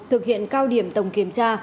thực hiện cao điểm tổng kiểm tra